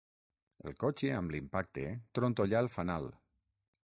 El cotxe, amb l'impacte, trontollà el fanal.